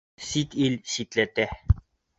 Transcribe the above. Сит ил ситләтә